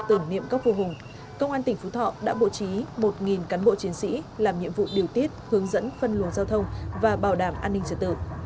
tưởng niệm các vô hùng công an tỉnh phú thọ đã bố trí một cán bộ chiến sĩ làm nhiệm vụ điều tiết hướng dẫn phân luồng giao thông và bảo đảm an ninh trật tự